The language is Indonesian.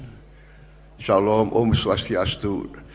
insyaallahum um swastiastu